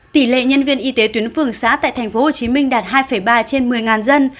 tỷ lệ nhân viên y tế tuyến phường xã tại tp hcm đạt hai ba trên một mươi dân